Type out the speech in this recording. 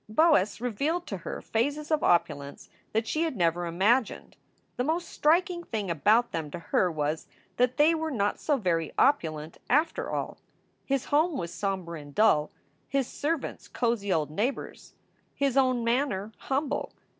Boas revealed to her phases of opulence that she had never imagined. The most striking thing about them to her was that they were not so very opulent, after all. His home was somber and dull, his servants cozy old neighbors, his own manner humble.